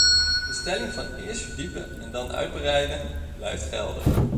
De stelling van eerst verdiepen en dan uitbreiden, blijft geldig.